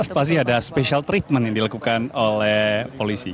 pasti ada special treatment yang dilakukan oleh polisi